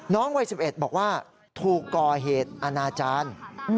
วัย๑๑บอกว่าถูกก่อเหตุอนาจารย์